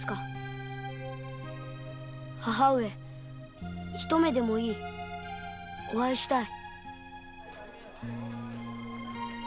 母上ひと目でもいいお会いしたい。